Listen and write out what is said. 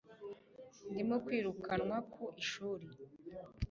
Ndimo kwirukanwa ku ishuri